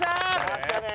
待ったね。